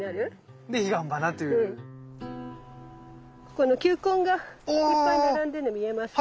この球根がいっぱい並んでるの見えますか。